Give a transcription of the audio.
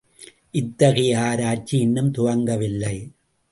இத்தகைய ஆராய்ச்சி இன்னும் துவங்கவில்லை.